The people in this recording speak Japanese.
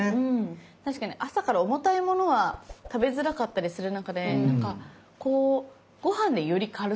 確かに朝から重たいものは食べづらかったりする中でなんかこうご飯により軽さをみたいなあるんですね。